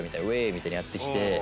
みたいにやってきて。